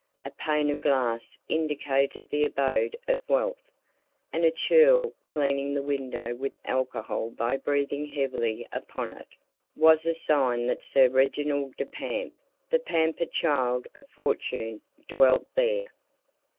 A pane of glass indicated the abode of wealth, and a churl cleaning the window with alcohol by breathing heavily upon it, was a sign that Sir Reginald de Pamp, the pampered child of fortune, dwelt there.